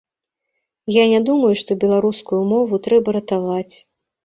Я не думаю, што беларускую мову трэба ратаваць.